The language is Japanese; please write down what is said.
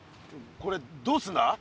これどうするんだ？